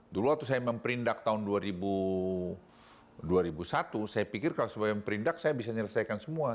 dulu waktu saya memperindak tahun dua ribu satu saya pikir kalau sebagai memperindak saya bisa menyelesaikan semua